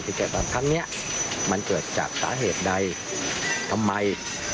ที่จะแบบทั้งนี้มันเกิดจากสาเหตุใดทำไม